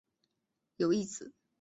有一子。